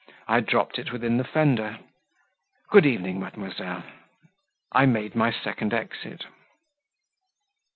I had dropped it within the fender; good evening, mademoiselle," I made my second exit.